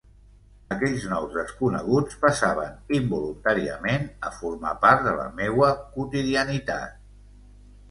Aquells nous desconeguts passaven involuntàriament a formar part de la meua quotidianitat.